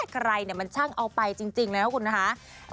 ใครเนี่ยมันช่างเอาไปจริงนะครับคุณนะคะ